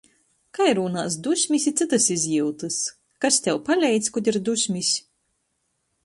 Kai rūnās dusmis i cytys izjiutys? Kas tev paleidz, kod ir dusmis?